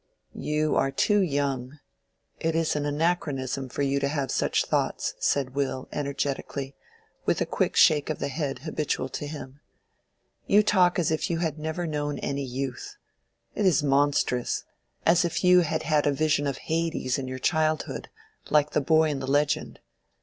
"You are too young—it is an anachronism for you to have such thoughts," said Will, energetically, with a quick shake of the head habitual to him. "You talk as if you had never known any youth. It is monstrous—as if you had had a vision of Hades in your childhood, like the boy in the legend.